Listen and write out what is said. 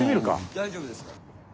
大丈夫ですか？